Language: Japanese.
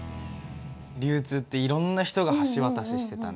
流通っていろんな人が橋渡ししてたね。